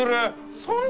そんな！